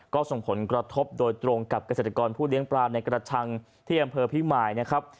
ก็ส่งผลกระทบโดยตรงกับเกษตรกรผู้เลี้ยงปลาในกระชังที่อำเภอพิมายนะครับ